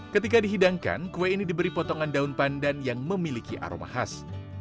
ketika dihidangkan kue ini diberi potongan daun pandan yang memiliki aroma khas